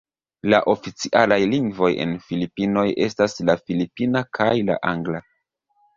La oficialaj lingvoj en Filipinoj estas la filipina kaj la angla.